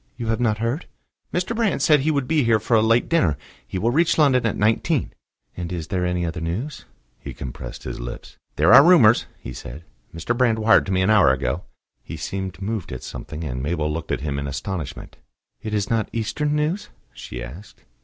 You have not heard?" "Mr. Brand said he would be here for a late dinner. He will reach London at nineteen." "And is there any other news?" He compressed his lips. "There are rumours," he said. "Mr. Brand wired to me an hour ago." He seemed moved at something, and Mabel looked at him in astonishment. "It is not Eastern news?" she asked.